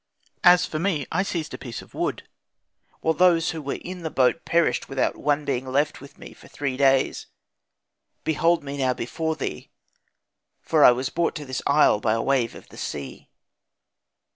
As for me, I seized a piece of wood, while those who were in the boat perished without one being left with me for three days. Behold me now before thee, for I was brought to this isle by a wave of the sea.'